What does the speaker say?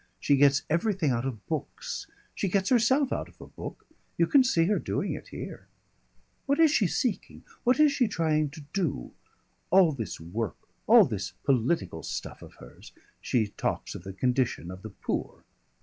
She gets everything out of books. She gets herself out of a book. You can see her doing it here.... What is she seeking? What is she trying to do? All this work, all this political stuff of hers? She talks of the condition of the poor!